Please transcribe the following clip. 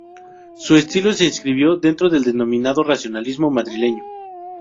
Su estilo se inscribió dentro del denominado racionalismo madrileño.